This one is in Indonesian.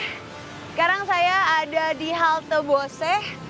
sekarang saya ada di halte boseh